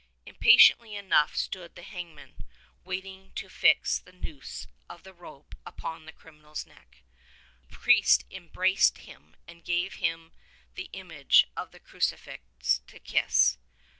Impatiently enough stood the hangman, waiting to fix the noose of the rope upon the criminal's neck. The priest embraced him, and gave him the image of the crucifix to kiss.